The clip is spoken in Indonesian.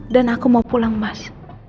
dan aku mau pulang mas